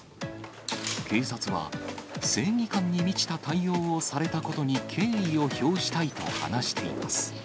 警察は、正義感に満ちた対応をされたことに敬意を表したいと話しています。